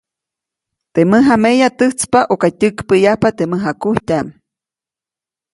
Teʼ mäjameya täjtspa ʼuka tyäkpäʼyajpa teʼ mäjakujtyaʼm.